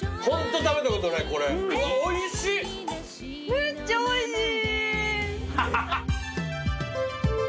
めっちゃおいしい。